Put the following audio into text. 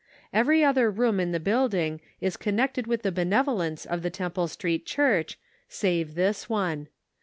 Every other room in the building is connected with the benevolence of the Temple Street Church save this one.